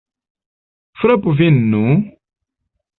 Frapu vin, nu!